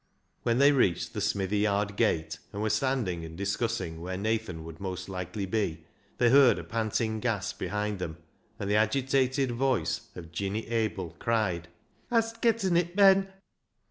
When they reached the smithy yard gate, and were standing and discussing where Nathan would most likely be, they heard a panting gasp behind them, and the agitated voice of " Jinny Abil " cried — "Hast getten it, Ben?"